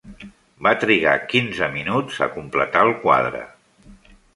Va trigar quinze minuts a completar el quadre.